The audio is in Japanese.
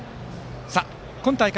今大会